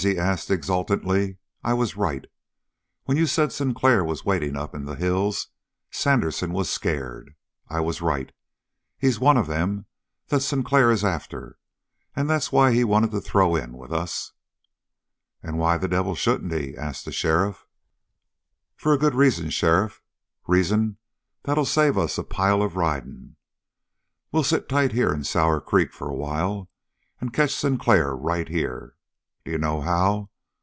he asked exultantly. "I was right. When you said Sinclair was waiting up there in the hills, Sandersen was scared. I was right. He's one of them that Sinclair is after, and that's why he wanted to throw in with us!" "And why the devil shouldn't he?" asked the sheriff. "For a good reason, sheriff, reason that'll save us a pile of riding. We'll sit tight here in Sour Creek for a while and catch Sinclair right here. D'you know how?